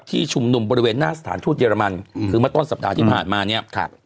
ชุมนุมบริเวณหน้าสถานทูตเยอรมันคือเมื่อต้นสัปดาห์ที่ผ่านมาเนี่ย